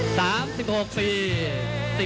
ท่านแรกครับจันทรุ่ม